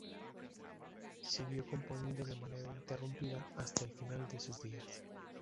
Siguió componiendo de manera ininterrumpida hasta el final de sus días.